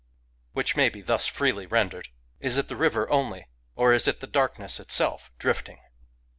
— Which may be thus freely rendered :— ".Is it the river only? — or is the darkness itself drifting